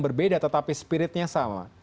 berbeda tetapi spiritnya sama